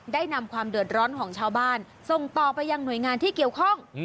นำความเดือดร้อนของชาวบ้านส่งต่อไปยังหน่วยงานที่เกี่ยวข้อง